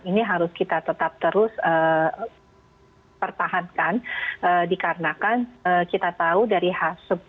ini harus kita tetap terus pertahankan dikarenakan kita tahu dari hasil